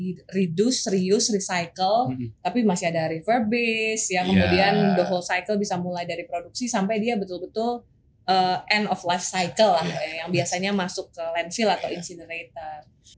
dan ini kan sebenarnya di luar dari reduce reuse recycle tapi masih ada refurbish ya kemudian the whole cycle bisa mulai dari produksi sampai dia betul betul end of life cycle yang biasanya masuk ke landfill atau incinerator